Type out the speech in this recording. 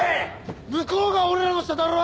向こうが俺らの下だろ？